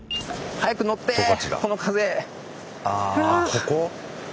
ここ？